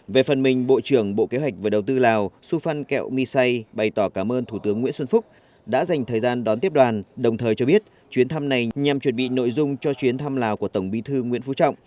về phần mình bộ trưởng bộ kế hoạch và đầu tư lào su phan kẹo misay bày tỏ cảm ơn thủ tướng nguyễn xuân phúc đã dành thời gian đón tiếp đoàn đồng thời cho biết chuyến thăm này nhằm chuẩn bị nội dung cho chuyến thăm lào của tổng bí thư nguyễn phú trọng